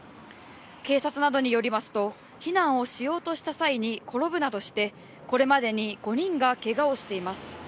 警察などによりますと、避難をしようとした際に転ぶなどして、これまでに５人がけがをしています。